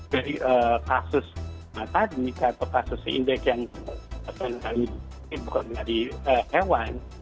jadi kasus mata ini atau kasus indeks yang diperlukan dari hewan